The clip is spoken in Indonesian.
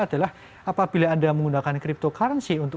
adalah apabila anda menggunakan cryptocurrency untuk